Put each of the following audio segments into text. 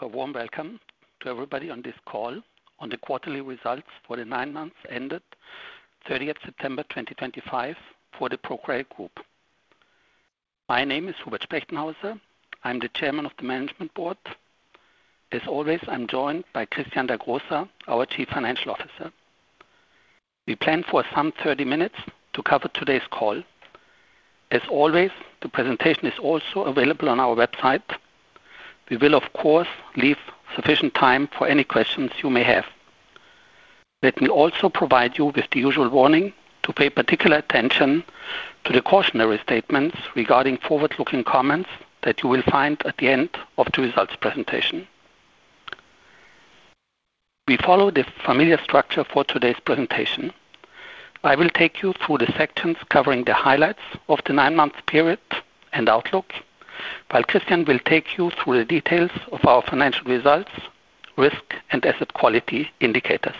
A warm welcome to everybody on this call on the quarterly results for the nine months ended 30th September 2025 for the ProCredit Group. My name is Hubert Spechtenhauser. I am the Chairman of the Management Board. As always, I am joined by Christian Dagrosa, our Chief Financial Officer. We plan for some 30 minutes to cover today's call. As always, the presentation is also available on our website. We will, of course, leave sufficient time for any questions you may have. Let me also provide you with the usual warning to pay particular attention to the cautionary statements regarding forward-looking comments that you will find at the end of the results presentation. We follow the familiar structure for today's presentation. I will take you through the sections covering the highlights of the nine-month period and outlook, while Christian will take you through the details of our financial results, risk, and asset quality indicators.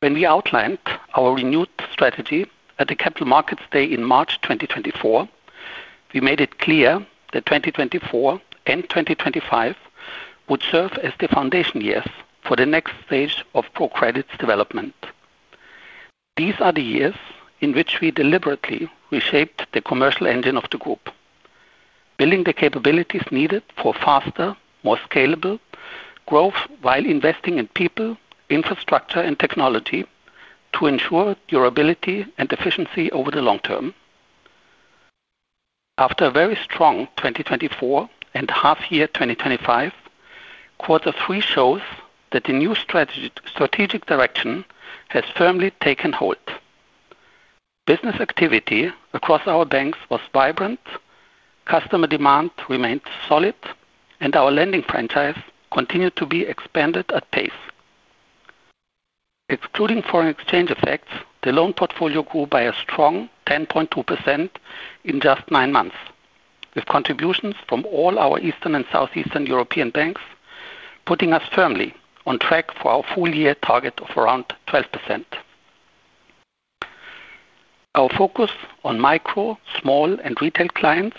When we outlined our renewed strategy at the Capital Markets Day in March 2024, we made it clear that 2024 and 2025 would serve as the foundation years for the next phase of ProCredit's development. These are the years in which we deliberately reshaped the commercial engine of the group, building the capabilities needed for faster, more scalable growth while investing in people, infrastructure, and technology to ensure durability and efficiency over the long term. After a very strong 2024 and half-year 2025, quarter three shows that the new strategic direction has firmly taken hold. Business activity across our banks was vibrant, customer demand remained solid, and our lending franchise continued to be expanded at pace. Excluding foreign exchange effects, the loan portfolio grew by a strong 10.2% in just nine months, with contributions from all our Eastern and Southeastern European banks, putting us firmly on track for our full-year target of around 12%. Our focus on micro, small, and retail clients,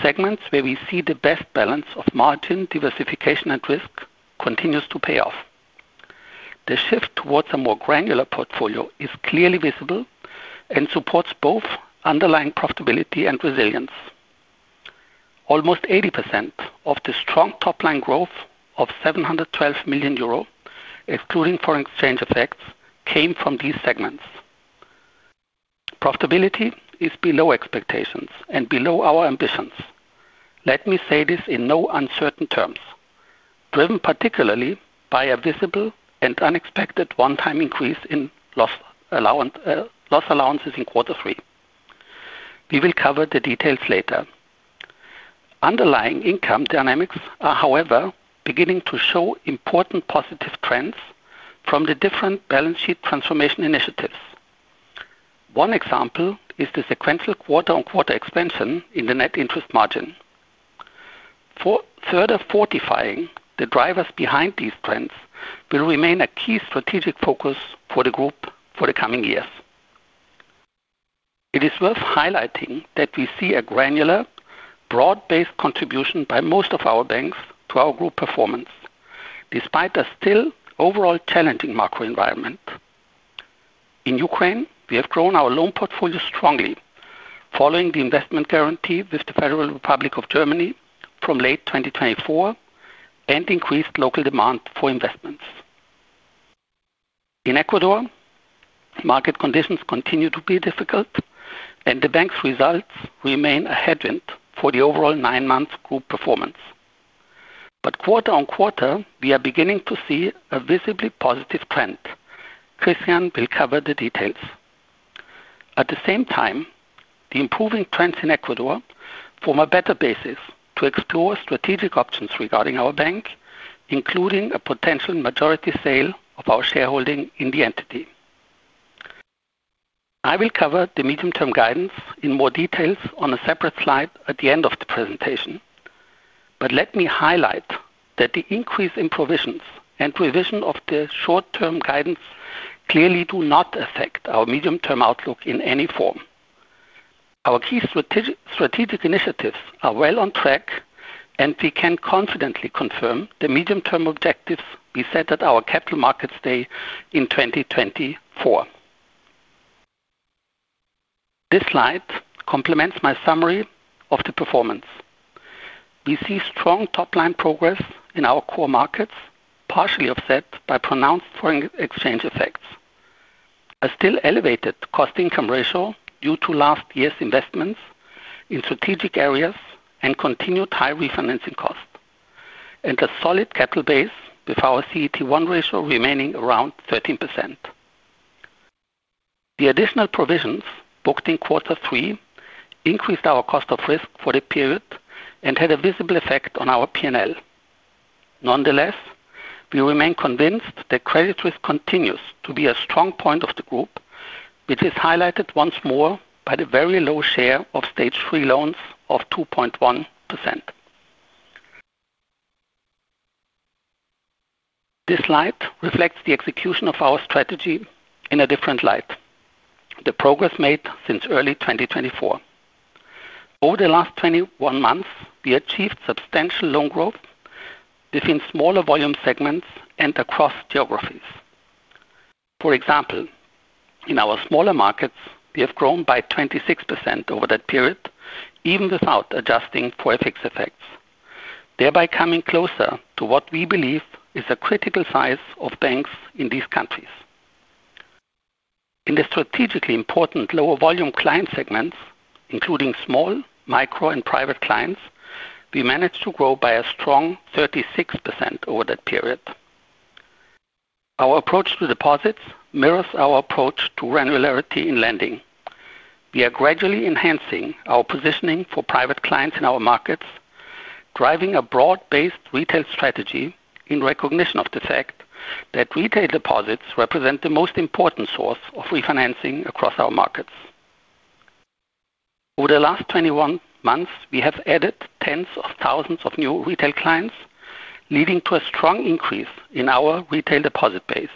segments where we see the best balance of margin diversification and risk continues to pay off. The shift towards a more granular portfolio is clearly visible and supports both underlying profitability and resilience. Almost 80% of the strong top-line growth of 712 million euro, excluding foreign exchange effects, came from these segments. Profitability is below expectations and below our ambitions. Let me say this in no uncertain terms. Driven particularly by a visible and unexpected one-time increase in loss allowances in quarter three. We will cover the details later. Underlying income dynamics are, however, beginning to show important positive trends from the different balance sheet transformation initiatives. One example is the sequential quarter-on-quarter expansion in the net interest margin. Further fortifying the drivers behind these trends will remain a key strategic focus for the group for the coming years. It is worth highlighting that we see a granular, broad-based contribution by most of our banks to our group performance, despite a still overall challenging macro environment. In Ukraine, we have grown our loan portfolio strongly, following the investment guarantee with the Federal Republic of Germany from late 2024 and increased local demand for investments. In Ecuador, market conditions continue to be difficult, and the bank's results remain a headwind for the overall nine-month group performance. Quarter-on-quarter, we are beginning to see a visibly positive trend. Christian will cover the details. At the same time, the improving trends in Ecuador form a better basis to explore strategic options regarding our bank, including a potential majority sale of our shareholding in the entity. I will cover the medium-term guidance in more details on a separate slide at the end of the presentation. Let me highlight that the increase in provisions and revision of the short-term guidance clearly do not affect our medium-term outlook in any form. Our key strategic initiatives are well on track, and we can confidently confirm the medium-term objectives we set at our Capital Markets Day in 2024. This slide complements my summary of the performance. We see strong top-line progress in our core markets, partially offset by pronounced foreign exchange effects. A still elevated cost-income ratio due to last year's investments in strategic areas and continued high refinancing costs, and a solid capital base with our CET1 ratio remaining around 13%. The additional provisions booked in quarter three increased our cost of risk for the period and had a visible effect on our P&L. Nonetheless, we remain convinced that credit risk continues to be a strong point of the group, which is highlighted once more by the very low share of Stage 3 loans of 2.1%. This slide reflects the execution of our strategy in a different light, the progress made since early 2024. Over the last 21 months, we achieved substantial loan growth within smaller volume segments and across geographies. For example, in our smaller markets, we have grown by 26% over that period, even without adjusting for FX effects, thereby coming closer to what we believe is a critical size of banks in these countries. In the strategically important lower volume client segments, including small, micro, and private clients, we managed to grow by a strong 36% over that period. Our approach to deposits mirrors our approach to granularity in lending. We are gradually enhancing our positioning for private clients in our markets, driving a broad-based retail strategy in recognition of the fact that retail deposits represent the most important source of refinancing across our markets. Over the last 21 months, we have added tens of thousands of new retail clients, leading to a strong increase in our retail deposit base.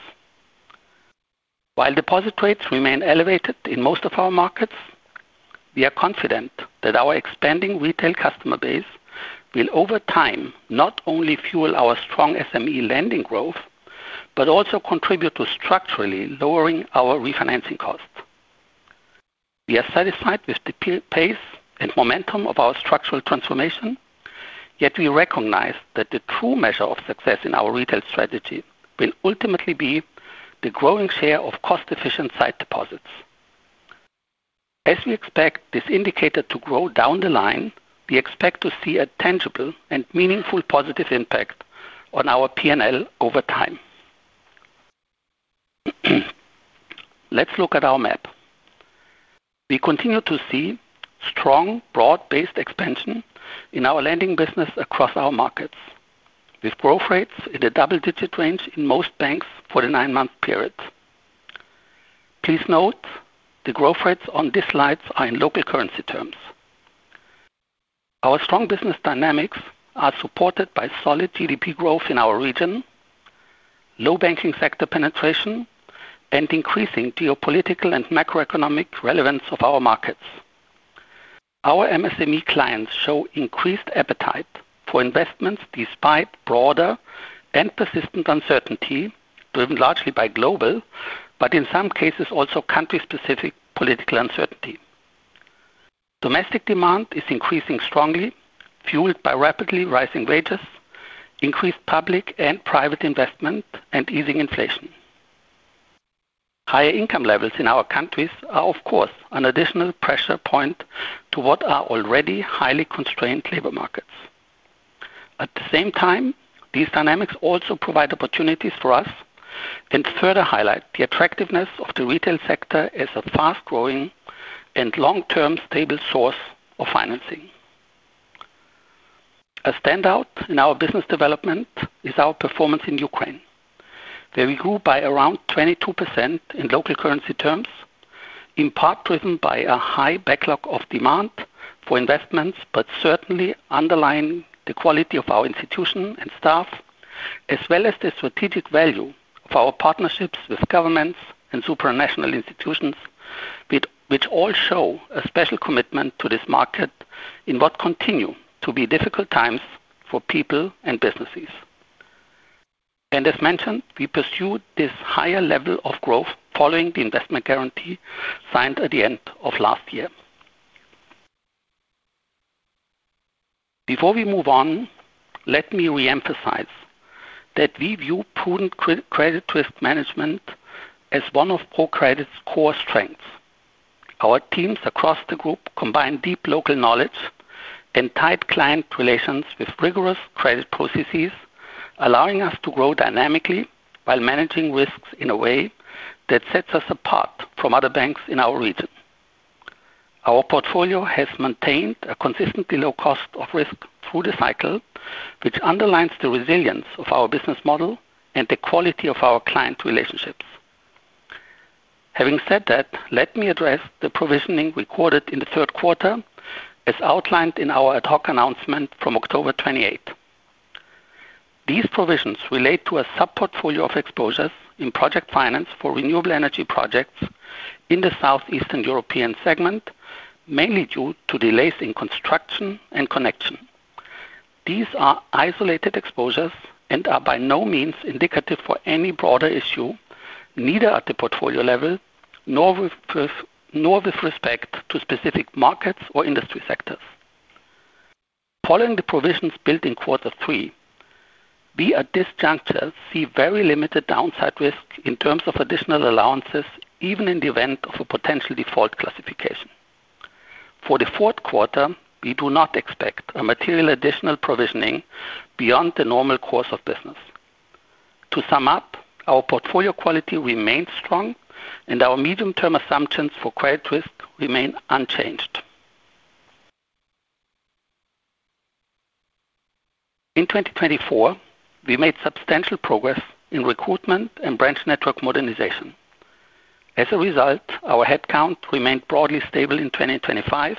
While deposit rates remain elevated in most of our markets, we are confident that our expanding retail customer base will over time not only fuel our strong SME lending growth, but also contribute to structurally lowering our refinancing costs. We are satisfied with the pace and momentum of our structural transformation, yet we recognize that the true measure of success in our retail strategy will ultimately be the growing share of cost-efficient sight deposits. As we expect this indicator to grow down the line, we expect to see a tangible and meaningful positive impact on our P&L over time. Let's look at our map. We continue to see strong broad-based expansion in our lending business across our markets, with growth rates in the double-digit range in most banks for the nine-month period. Please note, the growth rates on these slides are in local currency terms. Our strong business dynamics are supported by solid GDP growth in our region, low banking sector penetration, and increasing geopolitical and macroeconomic relevance of our markets. Our MSME clients show increased appetite for investments despite broader and persistent uncertainty, driven largely by global, but in some cases, also country-specific political uncertainty. Domestic demand is increasing strongly, fueled by rapidly rising wages, increased public and private investment, and easing inflation. Higher income levels in our countries are, of course, an additional pressure point to what are already highly constrained labor markets. At the same time, these dynamics also provide opportunities for us and further highlight the attractiveness of the retail sector as a fast-growing and long-term stable source of financing. A standout in our business development is our performance in Ukraine, where we grew by around 22% in local currency terms, in part driven by a high backlog of demand for investments, but certainly underlying the quality of our institution and staff, as well as the strategic value of our partnerships with governments and supranational institutions, which all show a special commitment to this market in what continue to be difficult times for people and businesses. As mentioned, we pursued this higher level of growth following the investment guarantee signed at the end of last year. Before we move on, let me reemphasize that we view prudent credit risk management as one of ProCredit's core strengths. Our teams across the group combine deep local knowledge and tight client relations with rigorous credit processes, allowing us to grow dynamically while managing risks in a way that sets us apart from other banks in our region. Our portfolio has maintained a consistently low cost of risk through the cycle, which underlines the resilience of our business model and the quality of our client relationships. Having said that, let me address the provisioning recorded in the third quarter as outlined in our ad hoc announcement from October 28th. These provisions relate to a sub-portfolio of exposures in project finance for renewable energy projects in the southeastern European segment, mainly due to delays in construction and connection. These are isolated exposures and are by no means indicative for any broader issue, neither at the portfolio level, nor with respect to specific markets or industry sectors. Following the provisions built in quarter three, we at this juncture see very limited downside risk in terms of additional allowances, even in the event of a potential default classification. For the fourth quarter, we do not expect a material additional provisioning beyond the normal course of business. To sum up, our portfolio quality remains strong and our medium-term assumptions for credit risk remain unchanged. In 2024, we made substantial progress in recruitment and branch network modernization. As a result, our headcount remained broadly stable in 2025,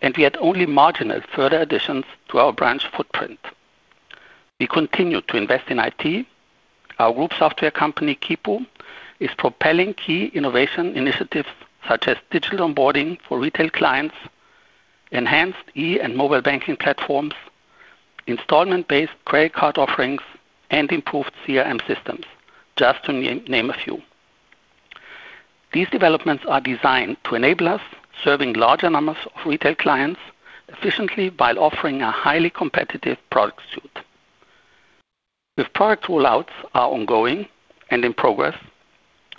and we had only marginal further additions to our branch footprint. We continued to invest in IT. Our group software company, Quipu, is propelling key innovation initiatives such as digital onboarding for retail clients, enhanced e-banking and mobile banking platforms, installment-based credit card offerings, and improved CRM systems, just to name a few. These developments are designed to enable us serving larger numbers of retail clients efficiently while offering a highly competitive product suite. The product rollouts are ongoing and in progress.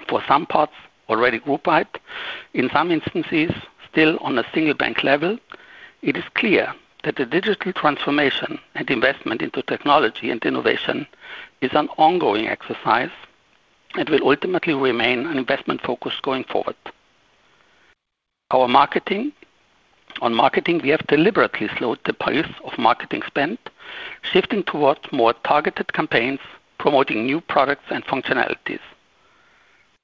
For some parts, already group-wide. In some instances, still on a single bank level. It is clear that the digital transformation and investment into technology and innovation is an ongoing exercise and will ultimately remain an investment focus going forward. On marketing, we have deliberately slowed the pace of marketing spend, shifting towards more targeted campaigns, promoting new products and functionalities.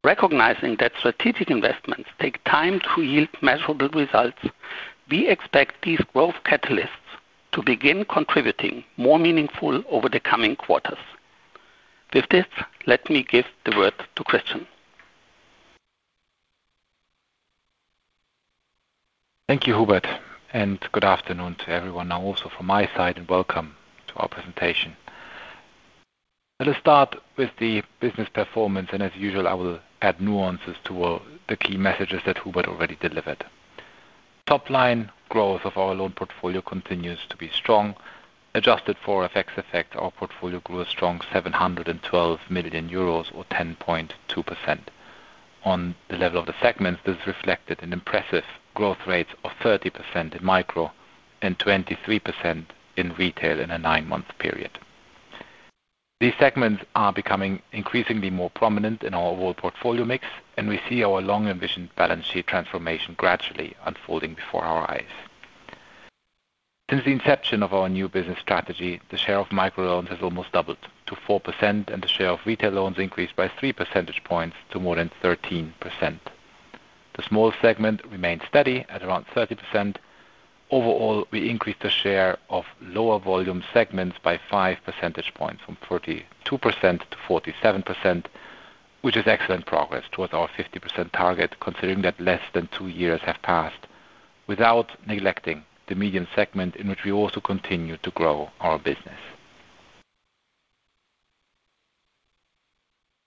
Recognizing that strategic investments take time to yield measurable results, we expect these growth catalysts to begin contributing more meaningful over the coming quarters. With this, let me give the word to Christian. Thank you, Hubert, and good afternoon to everyone now also from my side and welcome to our presentation. Let us start with the business performance, and as usual, I will add nuances to the key messages that Hubert already delivered. Top-line growth of our loan portfolio continues to be strong. Adjusted for FX effect, our portfolio grew a strong 712 million euros or 10.2%. On the level of the segments, this reflected an impressive growth rate of 30% in micro and 23% in retail in a nine-month period. These segments are becoming increasingly more prominent in our overall portfolio mix, and we see our long-envisioned balance sheet transformation gradually unfolding before our eyes. Since the inception of our new business strategy, the share of micro loans has almost doubled to 4%, and the share of retail loans increased by 3 percentage points to more than 13%. The small segment remained steady at around 30%. Overall, we increased the share of lower volume segments by 5 percentage points from 42%-47%, which is excellent progress towards our 50% target considering that less than two years have passed. Without neglecting the medium segment in which we also continue to grow our business.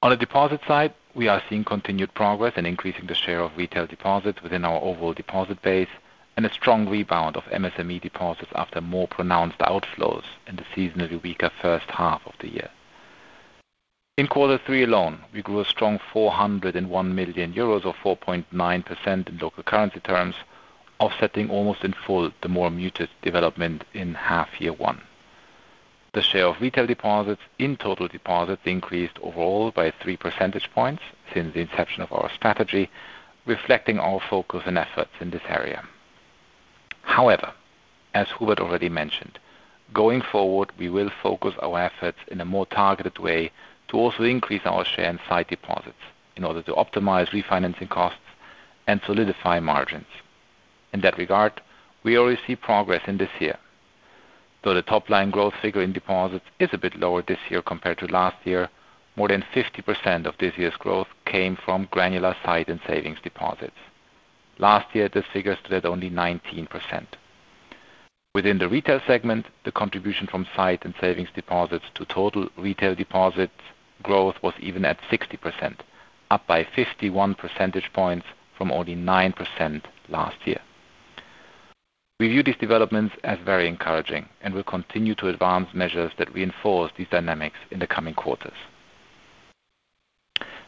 On the deposit side, we are seeing continued progress in increasing the share of retail deposits within our overall deposit base and a strong rebound of MSME deposits after more pronounced outflows in the seasonally weaker first half of the year. In quarter three alone, we grew a strong 401 million euros or 4.9% in local currency terms, offsetting almost in full the more muted development in half-year one. The share of retail deposits in total deposits increased overall by 3 percentage points since the inception of our strategy, reflecting our focus and efforts in this area. However, as Hubert already mentioned, going forward, we will focus our efforts in a more targeted way to also increase our share in sight deposits in order to optimize refinancing costs and solidify margins. In that regard, we already see progress in this year. Though the top-line growth figure in deposits is a bit lower this year compared to last year, more than 50% of this year's growth came from granular sight and savings deposits. Last year, this figure stood at only 19%. Within the retail segment, the contribution from sight and savings deposits to total retail deposits growth was even at 60%, up by 51 percentage points from only 9% last year. We view these developments as very encouraging and will continue to advance measures that reinforce these dynamics in the coming quarters.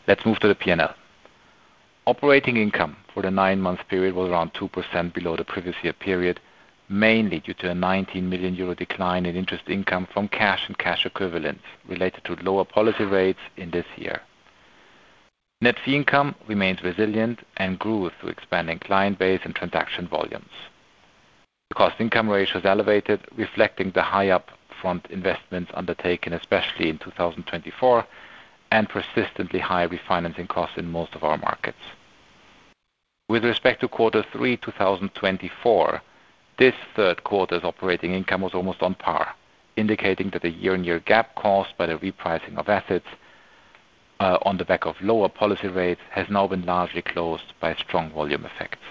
Let's move to the P&L. Operating income for the nine-month period was around 2% below the previous year period, mainly due to a 19 million euro decline in interest income from cash and cash equivalents related to lower policy rates in this year. Net fee income remains resilient and grew through expanding client base and transaction volumes. The cost-income ratio is elevated, reflecting the high upfront investments undertaken especially in 2024, and persistently high refinancing costs in most of our markets. With respect to quarter three 2024, this third quarter's operating income was almost on par, indicating that the year-on-year gap caused by the repricing of assets, on the back of lower policy rates, has now been largely closed by strong volume effects.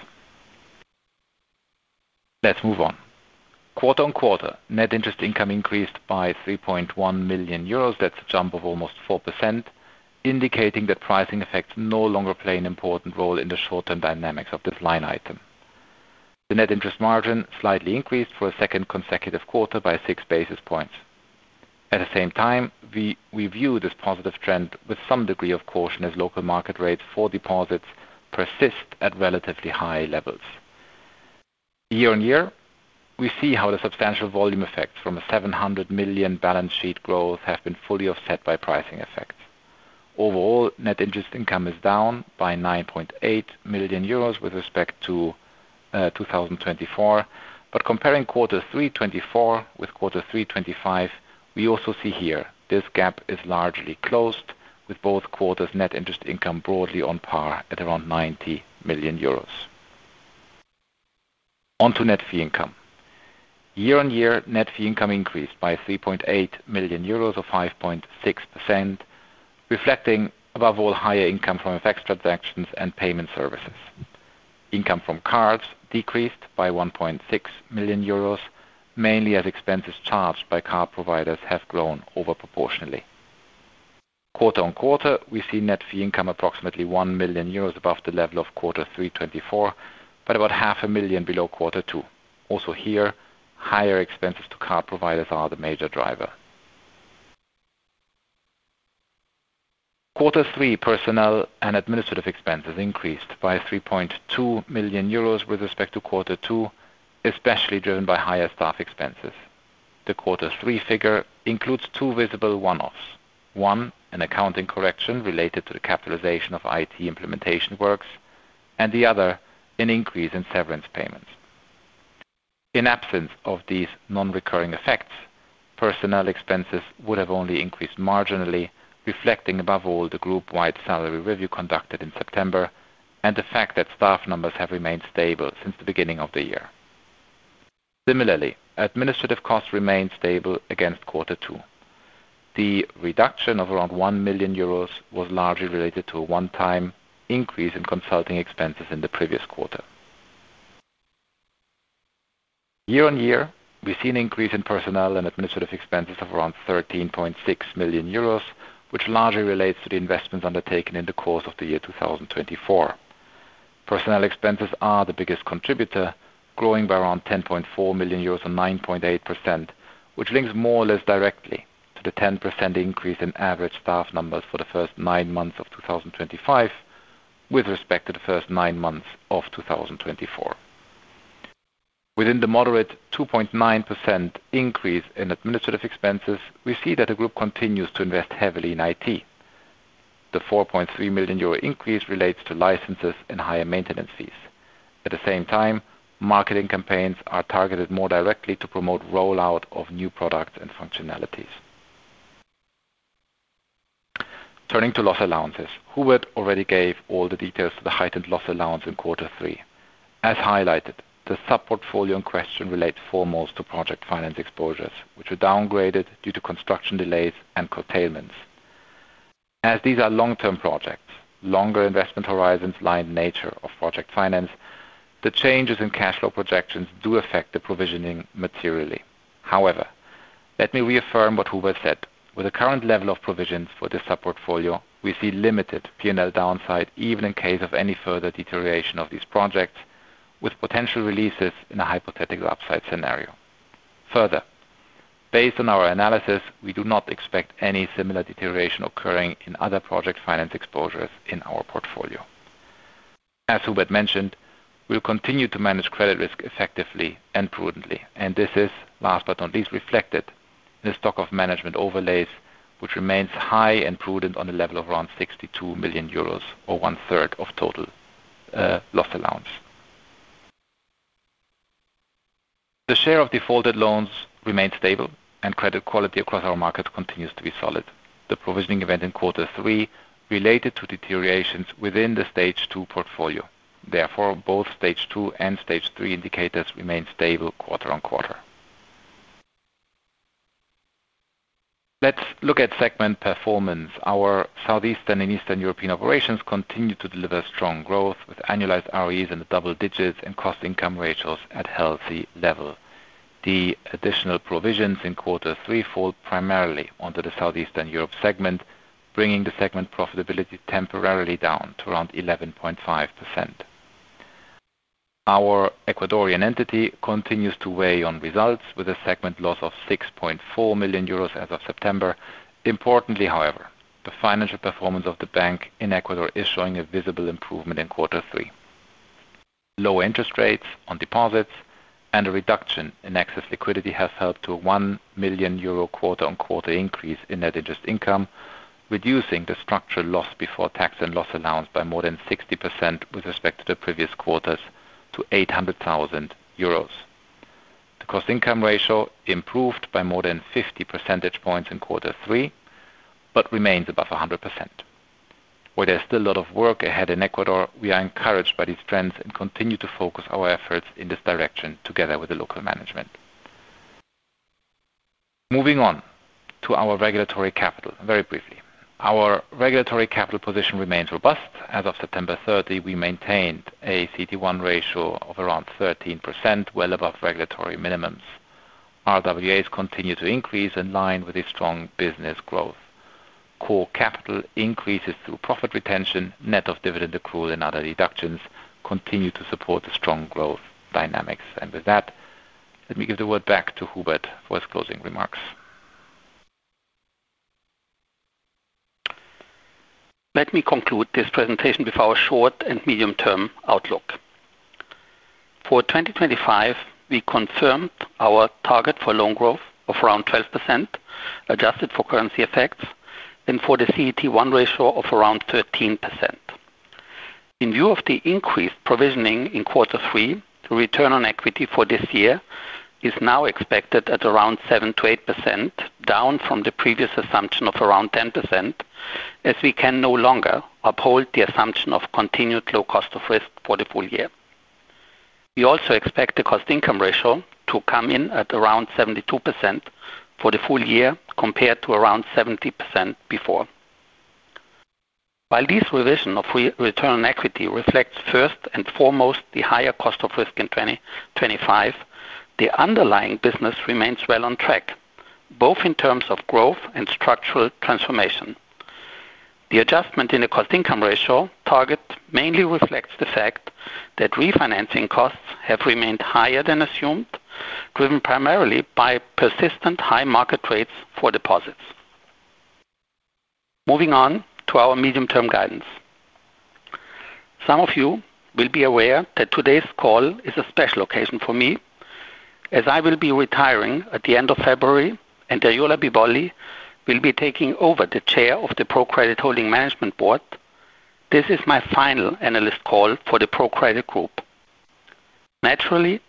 Let's move on. Quarter-on-quarter, net interest income increased by 3.1 million euros. That's a jump of almost 4%, indicating that pricing effects no longer play an important role in the short-term dynamics of this line item. The net interest margin slightly increased for a second consecutive quarter by 6 basis points. At the same time, we view this positive trend with some degree of caution as local market rates for deposits persist at relatively high levels. Year-on-year, we see how the substantial volume effects from a 700 million balance sheet growth have been fully offset by pricing effects. Overall, net interest income is down by 9.8 million euros with respect to 2024. Comparing quarter three 2024 with quarter three 2025, we also see here this gap is largely closed, with both quarters net interest income broadly on par at around 90 million euros. On to net fee income. Year-on-year, net fee income increased by 3.8 million euros, or 5.6%, reflecting above all higher income from FX transactions and payment services. Income from cards decreased by 1.6 million euros, mainly as expenses charged by card providers have grown over proportionally. Quarter-on-quarter, we see net fee income approximately 1 million euros above the level of quarter three 2024, but about 500,000 below quarter two. Also here, higher expenses to card providers are the major driver. Quarter three personnel and administrative expenses increased by 3.2 million euros with respect to quarter two, especially driven by higher staff expenses. The quarter three figure includes two visible one-offs. One, an accounting correction related to the capitalization of IT implementation works, the other, an increase in severance payments. In absence of these non-recurring effects, personnel expenses would have only increased marginally, reflecting above all the group-wide salary review conducted in September, and the fact that staff numbers have remained stable since the beginning of the year. Similarly, administrative costs remain stable against quarter two. The reduction of around 1 million euros was largely related to a one-time increase in consulting expenses in the previous quarter. Year-on-year, we've seen an increase in personnel and administrative expenses of around 13.6 million euros, which largely relates to the investments undertaken in the course of the year 2024. Personnel expenses are the biggest contributor, growing by around 10.4 million euros or 9.8%, which links more or less directly to the 10% increase in average staff numbers for the first nine months of 2025 with respect to the first nine months of 2024. Within the moderate 2.9% increase in administrative expenses, we see that the group continues to invest heavily in IT. The 4.3 million euro increase relates to licenses and higher maintenance fees. Marketing campaigns are targeted more directly to promote rollout of new products and functionalities. Turning to loss allowances. Hubert already gave all the details to the heightened loss allowance in quarter three. As highlighted, the sub-portfolio in question relates foremost to project finance exposures, which were downgraded due to construction delays and curtailments. These are long-term projects, longer investment horizons lie in nature of project finance, the changes in cash flow projections do affect the provisioning materially. Let me reaffirm what Hubert said. With the current level of provisions for this sub-portfolio, we see limited P&L downside even in case of any further deterioration of these projects, with potential releases in a hypothetical upside scenario. Based on our analysis, we do not expect any similar deterioration occurring in other project finance exposures in our portfolio. As Hubert mentioned, we'll continue to manage credit risk effectively and prudently, and this is, last but not least, reflected in the stock of management overlays, which remains high and prudent on a level of around 62 million euros or one-third of total loss allowance. The share of defaulted loans remains stable and credit quality across our market continues to be solid. The provisioning event in quarter three related to deteriorations within the Stage 2 portfolio. Both Stage 2 and Stage 3 indicators remain stable quarter on quarter. Let's look at segment performance. Our Southeastern and Eastern European operations continue to deliver strong growth with annualized ROEs in the double digits and cost-income ratios at healthy level. The additional provisions in quarter three fall primarily onto the Southeastern Europe segment, bringing the segment profitability temporarily down to around 11.5%. Our Ecuadorian entity continues to weigh on results with a segment loss of 6.4 million euros as of September. Importantly, the financial performance of the bank in Ecuador is showing a visible improvement in quarter three. Low interest rates on deposits and a reduction in excess liquidity has helped to 1 million euro quarter on quarter increase in net interest income, reducing the structural loss before tax and loss allowance by more than 60% with respect to the previous quarters to 800,000 euros. The cost-income ratio improved by more than 50 percentage points in quarter three, but remains above 100%. Where there's still a lot of work ahead in Ecuador, we are encouraged by these trends and continue to focus our efforts in this direction together with the local management. Moving on to our regulatory capital, very briefly. Our regulatory capital position remains robust. As of September 30, we maintained a CET1 ratio of around 13%, well above regulatory minimums. RWAs continue to increase in line with a strong business growth. Core capital increases through profit retention, net of dividend accrual and other deductions, continue to support the strong growth dynamics. With that, let me give the word back to Hubert for his closing remarks. Let me conclude this presentation with our short and medium-term outlook. For 2025, we confirmed our target for loan growth of around 12%, adjusted for currency effects. For the CET1 ratio of around 13%. In view of the increased provisioning in quarter three, the return on equity for this year is now expected at around 7%-8%, down from the previous assumption of around 10%, as we can no longer uphold the assumption of continued low cost of risk for the full-year. We also expect the cost-income ratio to come in at around 72% for the full-year, compared to around 70% before. While this revision of return on equity reflects first and foremost the higher cost of risk in 2025, the underlying business remains well on track, both in terms of growth and structural transformation. The adjustment in the cost-income ratio target mainly reflects the fact that refinancing costs have remained higher than assumed, driven primarily by persistent high market rates for deposits. Moving on to our medium-term guidance. Some of you will be aware that today's call is a special occasion for me, as I will be retiring at the end of February, and Eriola Bibolli will be taking over the Chair of the ProCredit Holding Management Board. This is my final analyst call for the ProCredit Group. Naturally,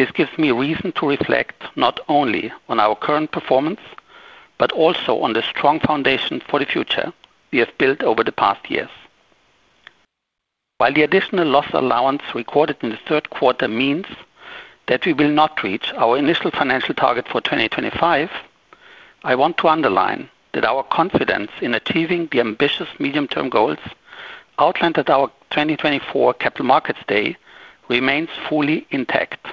this gives me reason to reflect not only on our current performance, but also on the strong foundation for the future we have built over the past years. While the additional loss allowance recorded in the third quarter means that we will not reach our initial financial target for 2025, I want to underline that our confidence in achieving the ambitious medium-term goals outlined at our 2024 Capital Markets Day remains fully intact.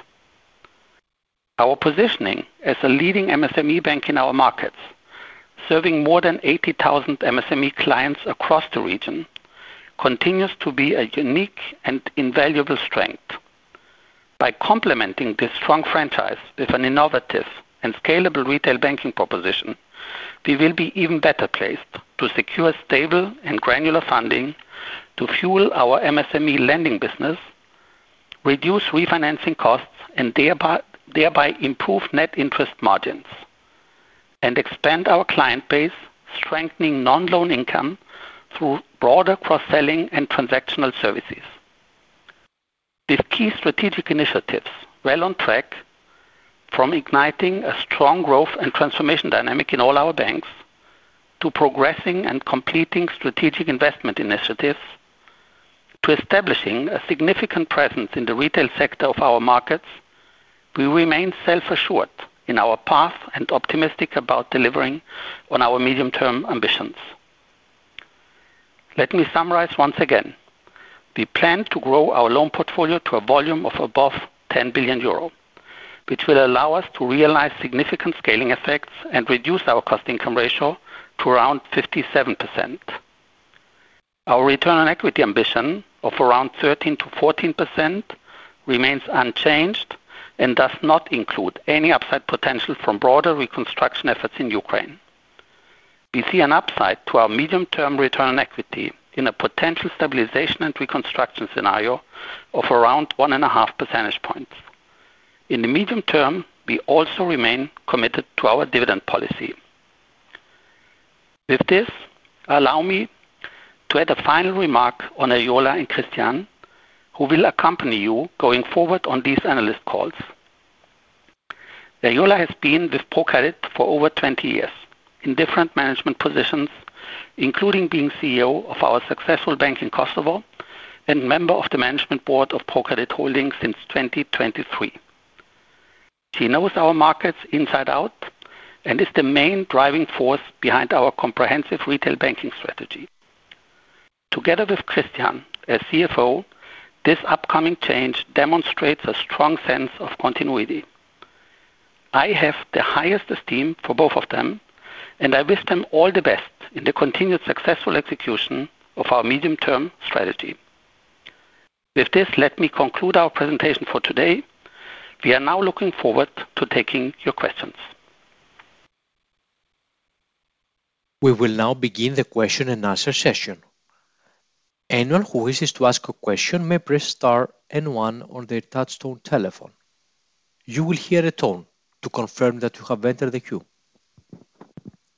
Our positioning as a leading MSME bank in our markets, serving more than 80,000 MSME clients across the region, continues to be a unique and invaluable strength. By complementing this strong franchise with an innovative and scalable retail banking proposition, we will be even better placed to secure stable and granular funding to fuel our MSME lending business, reduce refinancing costs, and thereby improve net interest margins, and expand our client base, strengthening non-loan income through broader cross-selling and transactional services. With key strategic initiatives well on track, from igniting a strong growth and transformation dynamic in all our banks, to progressing and completing strategic investment initiatives, to establishing a significant presence in the retail sector of our markets, we remain self-assured in our path and optimistic about delivering on our medium-term ambitions. Let me summarize once again. We plan to grow our loan portfolio to a volume of above 10 billion euro, which will allow us to realize significant scaling effects and reduce our cost-income ratio to around 57%. Our return on equity ambition of around 13%-14% remains unchanged and does not include any upside potential from broader reconstruction efforts in Ukraine. We see an upside to our medium-term return on equity in a potential stabilization and reconstruction scenario of around one and a half percentage points. In the medium term, we also remain committed to our dividend policy. Allow me to add a final remark on Eriola and Christian, who will accompany you going forward on these analyst calls. Eriola has been with ProCredit for over 20 years in different management positions, including being CEO of our successful bank in Kosovo and member of the Management Board of ProCredit Holding since 2023. She knows our markets inside out and is the main driving force behind our comprehensive retail banking strategy. Together with Christian as CFO, this upcoming change demonstrates a strong sense of continuity. I have the highest esteem for both of them, and I wish them all the best in the continued successful execution of our medium-term strategy. Let me conclude our presentation for today. We are now looking forward to taking your questions. We will now begin the question and answer session. Anyone who wishes to ask a question may press star and one on their touch-tone telephone. You will hear a tone to confirm that you have entered the queue.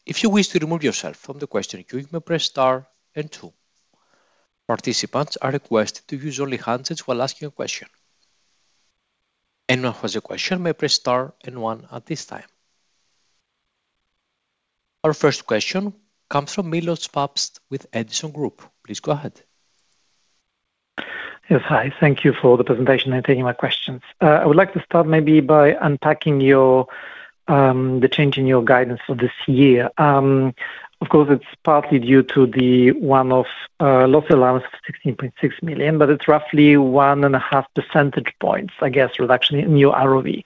If you wish to remove yourself from the question queue, you may press star and two. Participants are requested to use only handsets while asking a question. Anyone who has a question may press star and one at this time. Our first question comes from Milosz Papst with Edison Group. Please go ahead. Yes. Hi. Thank you for the presentation and taking my questions. I would like to start maybe by unpacking the change in your guidance for this year. Of course, it is partly due to the one-off loss allowance of 16.6 million, but it is roughly one and a half percentage points, I guess, reduction in your ROE. You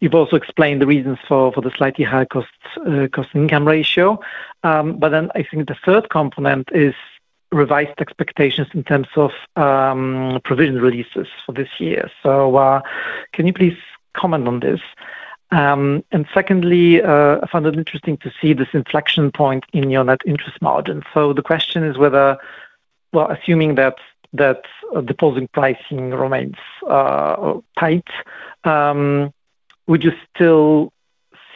have also explained the reasons for the slightly higher cost-income ratio. Then I think the third component is revised expectations in terms of provision releases for this year. Can you please comment on this? I found it interesting to see this inflection point in your net interest margin. The question is whether, assuming that deposit pricing remains tight, would you still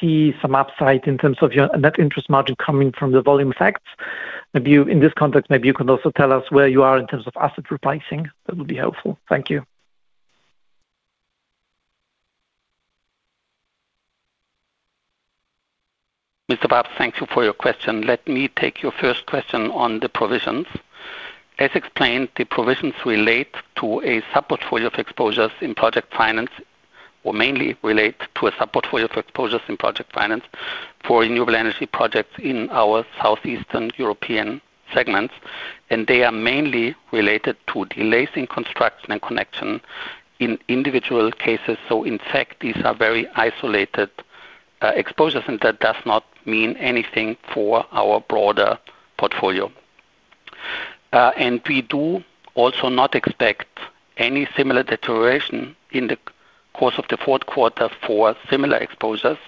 see some upside in terms of your net interest margin coming from the volume effects? In this context, maybe you can also tell us where you are in terms of asset repricing. That would be helpful. Thank you. Mr. Papst, thank you for your question. Let me take your first question on the provisions. As explained, the provisions relate to a sub-portfolio of exposures in project finance, or mainly relate to a sub-portfolio of exposures in project finance for renewable energy projects in our Southeastern European segments, and they are mainly related to delays in construction and connection in individual cases. In fact, these are very isolated exposures, and that does not mean anything for our broader portfolio. We do also not expect any similar deterioration in the course of the fourth quarter for similar exposures.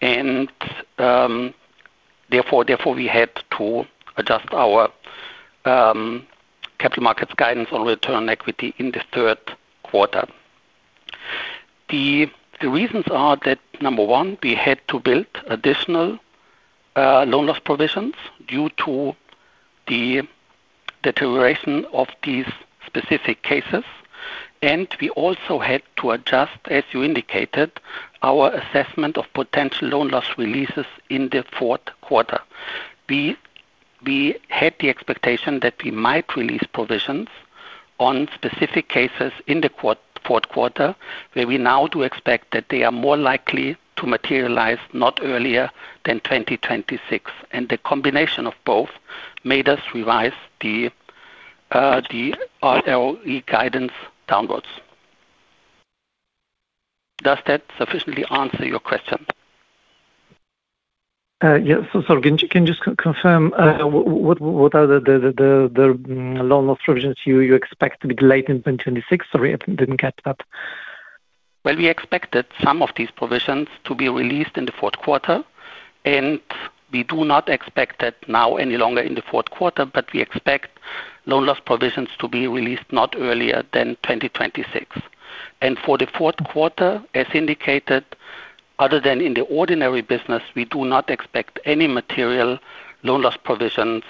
Therefore, we had to adjust our capital markets guidance on return equity in the third quarter. The reasons are that, number one, we had to build additional loan loss provisions due to the deterioration of these specific cases, and we also had to adjust, as you indicated, our assessment of potential loan loss releases in the fourth quarter. We had the expectation that we might release provisions on specific cases in the fourth quarter, where we now do expect that they are more likely to materialize not earlier than 2026. The combination of both made us revise the ROE guidance downwards. Does that sufficiently answer your question? Yes. Sorry. Can you just confirm what are the loan loss provisions you expect to be delayed in 2026? Sorry, I didn't get that. Well, we expected some of these provisions to be released in the fourth quarter, and we do not expect that now any longer in the fourth quarter, but we expect loan loss provisions to be released not earlier than 2026. For the fourth quarter, as indicated, other than in the ordinary business, we do not expect any material loan loss provisions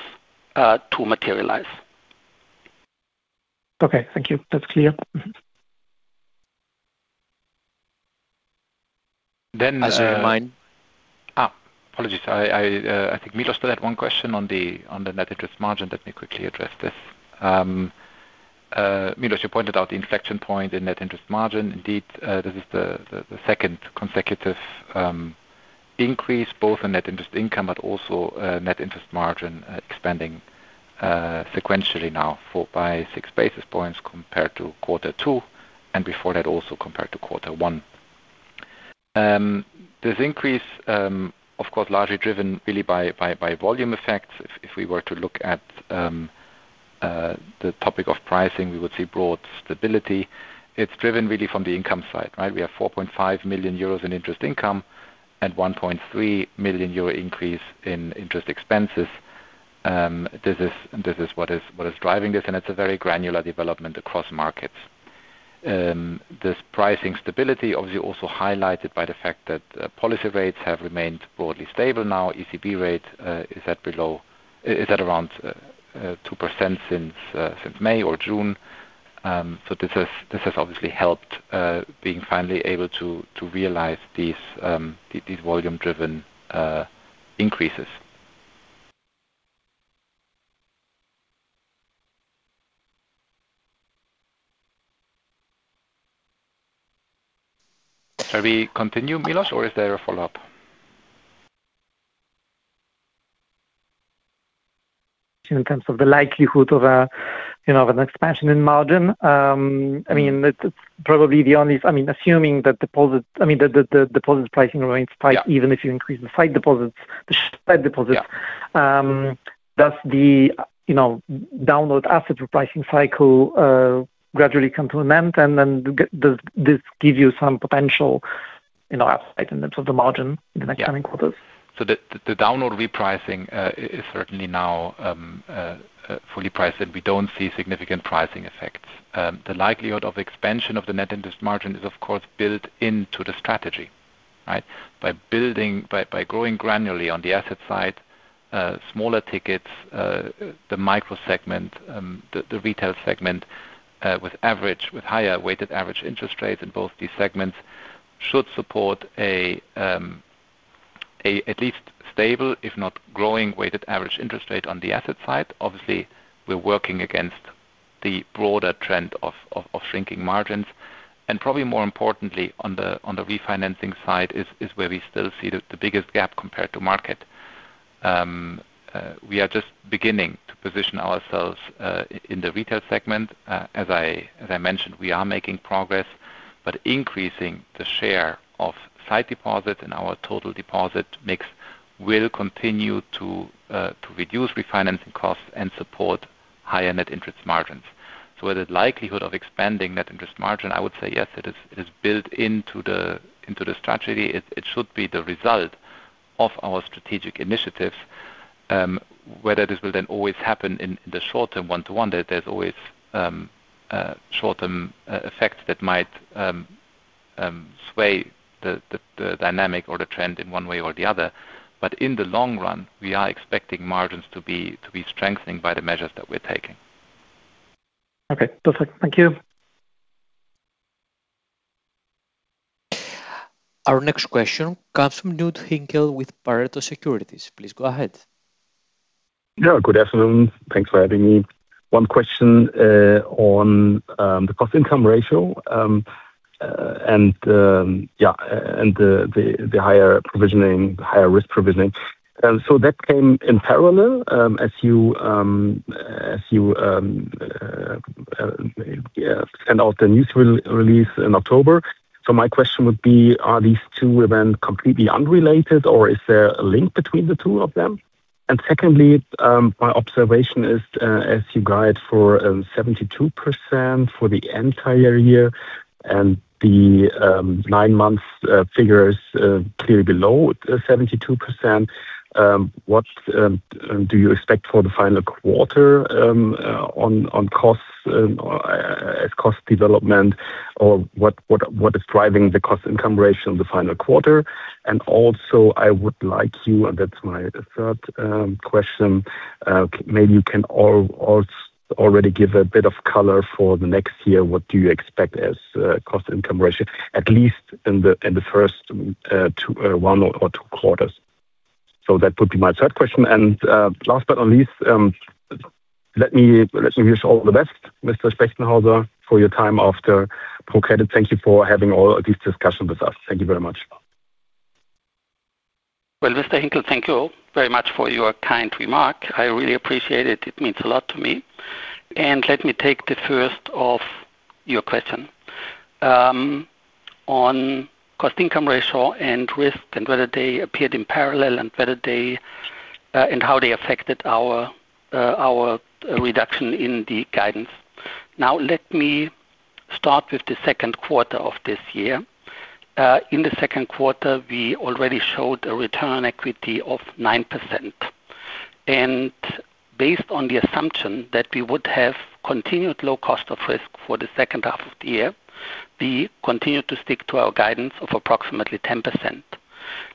to materialize. Okay. Thank you. That's clear. Mm-hmm. Then, as mine- Apologies. I think Milosz still had one question on the net interest margin. Let me quickly address this. Milosz, you pointed out the inflection point in net interest margin. Indeed, this is the second consecutive increase both in net interest income, also net interest margin expanding sequentially now by six basis points compared to quarter two, and before that also compared to quarter one. This increase, of course, largely driven really by volume effects. If we were to look at the topic of pricing, we would see broad stability. It's driven really from the income side, right. We have 4.5 million euros in interest income and 1.3 million euro increase in interest expenses. This is what is driving this, and it's a very granular development across markets. This pricing stability obviously also highlighted by the fact that policy rates have remained broadly stable. ECB rate is at around 2% since May or June. This has obviously helped being finally able to realize these volume-driven increases. Shall we continue, Milosz, or is there a follow-up? In terms of the likelihood of an expansion in margin, assuming that the deposit pricing remains tight- Yeah. Even if you increase the sight deposits. Yeah. Does the downward asset repricing cycle gradually come to an end, and then does this give you some potential upside in terms of the margin in the next coming quarters? The downward repricing is certainly now fully priced in. We don't see significant pricing effects. The likelihood of expansion of the net interest margin is, of course, built into the strategy, right? By growing granularly on the asset side, smaller tickets, the micro segment, the retail segment with higher weighted average interest rates in both these segments should support at least stable, if not growing, weighted average interest rate on the asset side. Obviously, we're working against the broader trend of shrinking margins, and probably more importantly on the refinancing side is where we still see the biggest gap compared to market. We are just beginning to position ourselves in the retail segment. As I mentioned, we are making progress, but increasing the share of sight deposit in our total deposit mix will continue to reduce refinancing costs and support higher net interest margins. The likelihood of expanding net interest margin, I would say yes, it is built into the strategy. It should be the result of our strategic initiatives, whether this will then always happen in the short term, one to one, there's always short-term effects that might sway the dynamic or the trend in one way or the other. In the long run, we are expecting margins to be strengthening by the measures that we're taking. Okay, perfect. Thank you. Our next question comes from Knud Hinkel with Pareto Securities. Please go ahead. Yeah, good afternoon. Thanks for having me. One question on the cost-income ratio and the higher risk provisioning. That came in parallel as you sent out the news release in October. My question would be, are these two then completely unrelated, or is there a link between the two of them? Secondly, my observation is as you guide for 72% for the entire year and the nine months figure is clearly below 72%, what do you expect for the final quarter on cost development, or what is driving the cost-income ratio in the final quarter? Also I would like you, and that's my third question, maybe you can already give a bit of color for the next year, what do you expect as cost-income ratio, at least in the first one or two quarters? That would be my third question. Last but not least, let me wish all the best, Mr. Spechtenhauser, for your time after ProCredit. Thank you for having all of these discussions with us. Thank you very much. Well, Mr. Hinkel, thank you very much for your kind remark. I really appreciate it. It means a lot to me. Let me take the first of your question on cost-income ratio and risk, and whether they appeared in parallel and how they affected our reduction in the guidance. Let me start with the second quarter of this year. In the second quarter, we already showed a return on equity of 9%. Based on the assumption that we would have continued low cost of risk for the second half of the year, we continued to stick to our guidance of approximately 10%.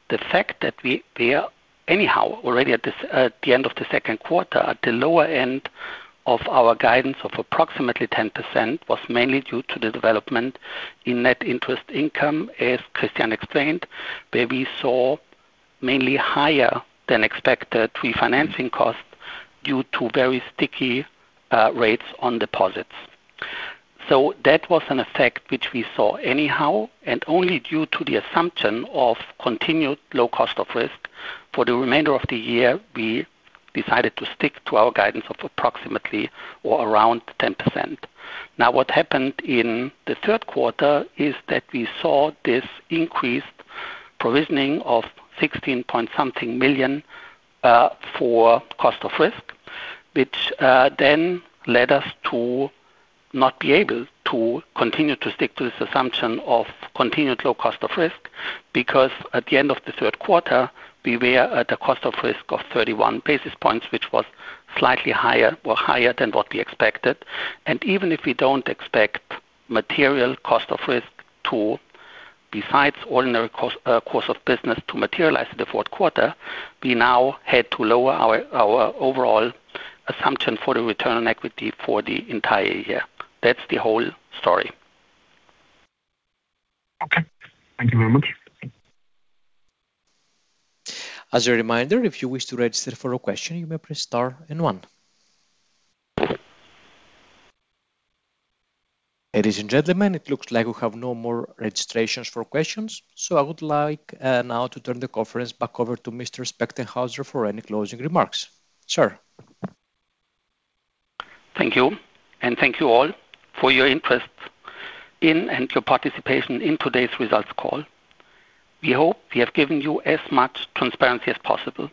The fact that we are anyhow already at the end of the second quarter at the lower end of our guidance of approximately 10% was mainly due to the development in net interest income, as Christian explained, where we saw mainly higher than expected refinancing costs due to very sticky rates on deposits. That was an effect which we saw anyhow, and only due to the assumption of continued low cost of risk. For the remainder of the year, we decided to stick to our guidance of approximately or around 10%. What happened in the third quarter is that we saw this increased provisioning of 16 million-something for cost of risk, which then led us to not be able to continue to stick to this assumption of continued low cost of risk, because at the end of the third quarter, we were at a cost of risk of 31 basis points, which was slightly higher or higher than what we expected. Even if we don't expect material cost of risk to, besides ordinary course of business, to materialize in the fourth quarter, we now had to lower our overall assumption for the return on equity for the entire year. That's the whole story. Okay. Thank you very much. As a reminder, if you wish to register for a question, you may press star and one. Ladies and gentlemen, it looks like we have no more registrations for questions, so I would like now to turn the conference back over to Mr. Spechtenhauser for any closing remarks. Sir? Thank you, and thank you all for your interest in and your participation in today's results call. We hope we have given you as much transparency as possible.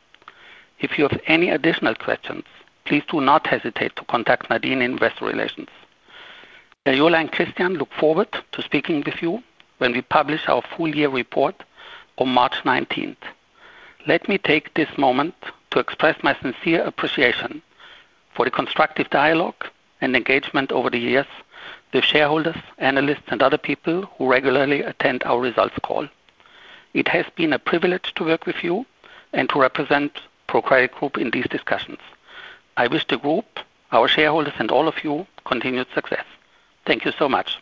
If you have any additional questions, please do not hesitate to contact Nadine in Investor Relations. Eriola and Christian look forward to speaking with you when we publish our full-year report on March 19th. Let me take this moment to express my sincere appreciation for the constructive dialogue and engagement over the years with shareholders, analysts, and other people who regularly attend our results call. It has been a privilege to work with you and to represent ProCredit Group in these discussions. I wish the Group, our shareholders, and all of you continued success. Thank you so much.